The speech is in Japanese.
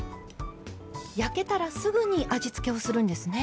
焼けたらすぐに味付けをするんですね。